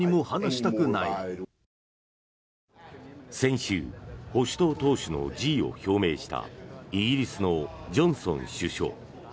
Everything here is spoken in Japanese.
先週保守党党首の辞意を表明したイギリスのジョンソン首相。